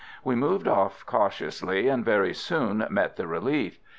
We moved off cautiously, and very soon met the relief.